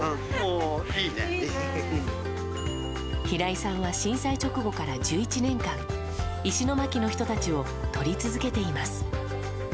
平井さんは震災直後から１１年間石巻の人たちを撮り続けています。